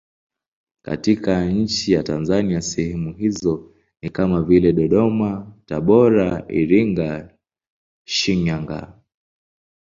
Katika nchi ya Tanzania sehemu hizo ni kama vile Dodoma, Tabora, Iringa, Shinyanga.